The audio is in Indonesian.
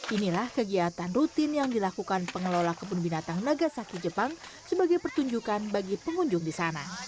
inilah kegiatan rutin yang dilakukan pengelola kebun binatang nagasaki jepang sebagai pertunjukan bagi pengunjung di sana